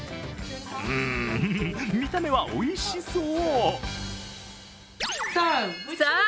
うん、見た目はおいしそう！